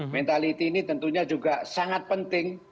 mentality ini tentunya juga sangat penting